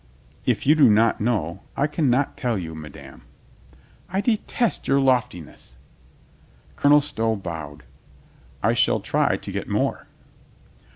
"If you do not know, I can not tell you, madame." "I detest your loftiness!" Colonel Stow bowed. "I shall try to get more."